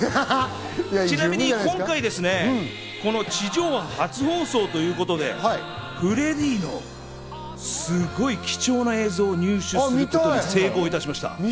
ちなみに今回、地上波初放送ということで、フレディのすごい貴重な映像を入手することに成功いたしました。